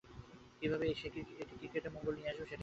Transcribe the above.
কীভাবে এটি ক্রিকেটের মঙ্গল বয়ে নিয়ে আসবে, সেটা আমাদের বোধগম্য নয়।